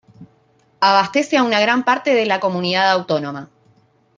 Abastece a una gran parte de la comunidad autónoma.